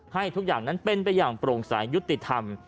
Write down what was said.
ให้ทุกอย่างนั้นเป็นไปอย่างโปร่งสายยุติธรรม